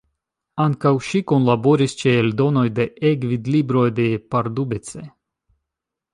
Ankaŭ ŝi kunlaboris ĉe eldonoj de E-gvidlibroj de Pardubice.